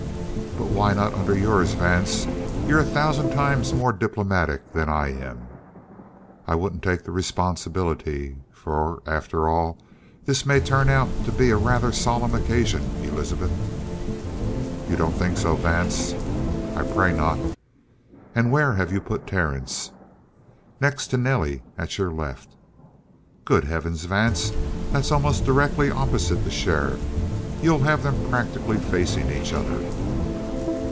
"But why not under yours, Vance? You're a thousand times more diplomatic than I am." "I wouldn't take the responsibility, for, after all, this may turn out to be a rather solemn occasion, Elizabeth." "You don't think so, Vance?" "I pray not." "And where have you put Terence?" "Next to Nelly, at your left." "Good heavens, Vance, that's almost directly opposite the sheriff. You'll have them practically facing each other."